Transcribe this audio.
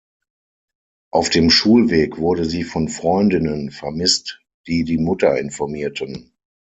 Auf dem Schulweg wurde sie von Freundinnen vermisst, die die Mutter informierten.